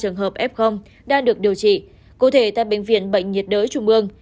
ba trường hợp f đang được điều trị cụ thể tại bệnh viện bệnh nhiệt đới trung ương